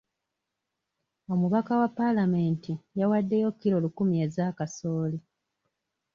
Omubaka wa paalamenti yawaddeyo kilo lukumi ez'akasooli.